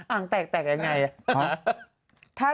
อ่างแตกแตกอย่างไร